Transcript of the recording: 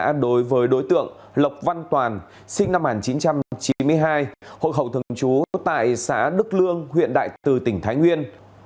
công an đối với đối tượng lộc văn toàn sinh năm một nghìn chín trăm chín mươi hai hộ khẩu thường trú tại xã đức lương huyện đại từ tỉnh thái nguyên